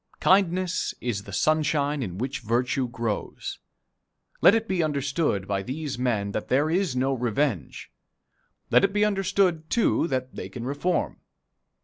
Kindness is the sunshine in which virtue grows. Let it be understood by these men that there is no revenge; let it be understood, too, that they can reform.